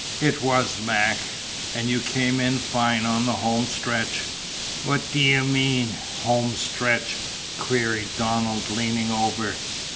"It was, Mac. And you came in fine on the home stretch!" "What d'ye mean home stretch?" queried Donald leaning over.